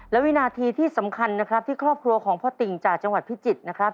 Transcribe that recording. และวินาทีที่สำคัญนะครับที่ครอบครัวของพ่อติ่งจากจังหวัดพิจิตรนะครับ